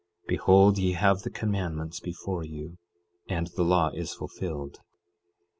Behold, ye have the commandments before you, and the law is fulfilled.